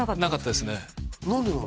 なかったですね